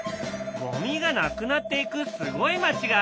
ゴミがなくなっていくすごい町があるよ。